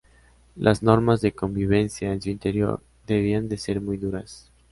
Las normas de convivencia en su interior debían de ser muy duras.